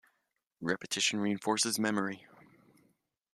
Repetition reinforces memory.